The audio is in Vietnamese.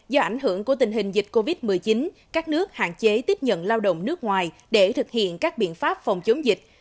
do ảnh hưởng của tình hình dịch covid một mươi chín các nước hạn chế tiếp nhận lao động nước ngoài để thực hiện các biện pháp phòng chống dịch